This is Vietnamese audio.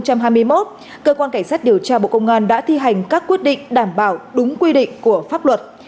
cơ quan cảnh sát điều tra bộ công an đã thi hành các quyết định đảm bảo đúng quy định của pháp luật